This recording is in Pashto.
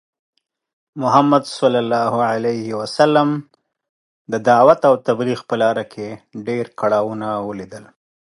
محمد ص د دعوت او تبلیغ په لاره کې ډی کړاوونه ولیدل .